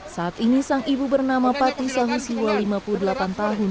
saat ini sang ibu bernama pati sahusiwa lima puluh delapan tahun